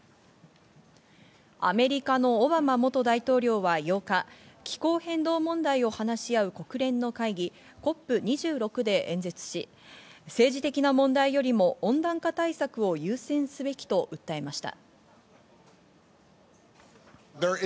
アメリカのオバマ元大統領は８日、気候変動問題を話し合う国連の会議、ＣＯＰ２６で演説し、政治的な問題よりも温暖化対策を優先すべきと訴えました。